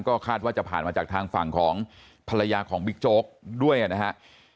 ก็คาดว่าจะผ่านมาจากทางฝั่งของภรรยาของบิ๊กโจ๊กด้วยนะครับ